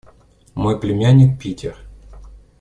Мой племянник Питер.